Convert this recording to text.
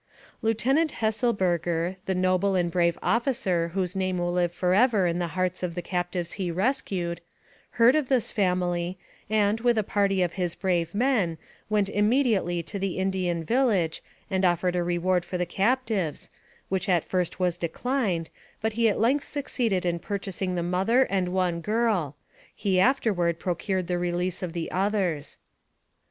Lieutenant Hesselberger, the noble and brave officer, whose name will live forever in the hearts of the cap tives he rescued, heard of this family, and, with a party of his brave men, went immediately to the Indian vil lage, and offered a reward for the captives, which at first was declined, but he at length succeeded in pur chasing the mother and one girl; he afterward pro cured the release of the others.